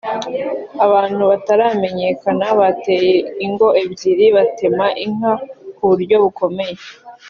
Abantu bataramenyekana bateye ingo ebyiri batema inka ku buryo bukomeye